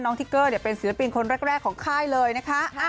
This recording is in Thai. ทิกเกอร์เป็นศิลปินคนแรกของค่ายเลยนะคะ